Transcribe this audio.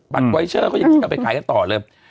บัตรไวเชอร์เขาออกไปขายกันต่อเลย